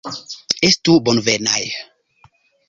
Estu bonvenaj!